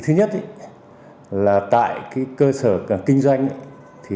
thứ nhất là tại cơ sở kinh doanh